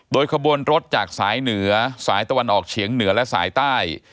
โดยขบวนรถจากสายเหนือสายตะวันออกเฉียงเหนือและสายใต้